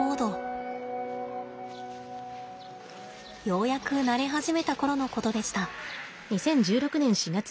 ようやく慣れ始めた頃のことでした。